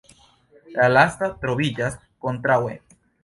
La lasta troviĝas kontraŭe.